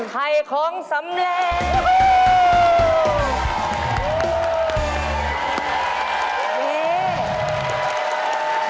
ไข่ของสำเร็จ